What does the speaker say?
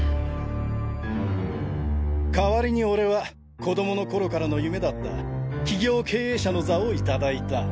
かわりに俺は子供の頃からの夢だった企業経営者の座を頂いた。